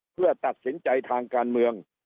เพื่อตัดสินใจทางการเมือง